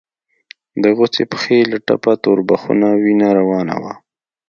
د غوڅې پښې له ټپه تور بخونه وينه روانه وه.